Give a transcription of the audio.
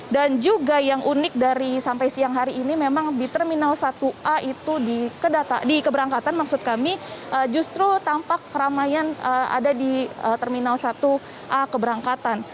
juga yang unik dari sampai siang hari ini memang di terminal satu a itu di keberangkatan maksud kami justru tampak keramaian ada di terminal satu a keberangkatan